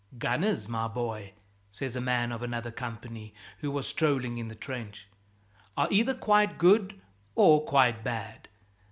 "Gunners, my boy," says a man of another company who was strolling in the trench, "are either quite good or quite bad.